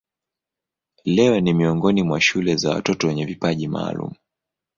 Leo ni miongoni mwa shule za watoto wenye vipaji maalumu.